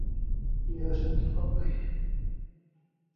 গিয়েই আসার দরকার নেই।